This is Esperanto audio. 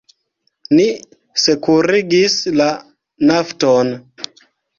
Ni sekurigis la Nafton.